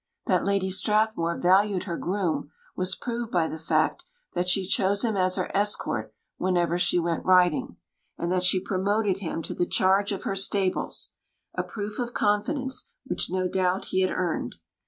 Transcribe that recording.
That Lady Strathmore valued her groom was proved by the fact that she chose him as her escort whenever she went riding, and that she promoted him to the charge of her stables a proof of confidence which no doubt he had earned.